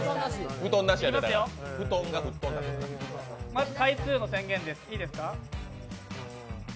まず、回数の宣言です。